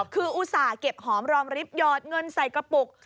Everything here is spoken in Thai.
คืออุตส่าห์เก็บหอมรอมริบหยอดเงินใส่กระปุก